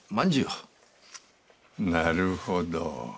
なるほど。